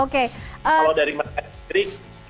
kalau dari mereka sendiri